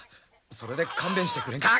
それで勘弁してくれんか。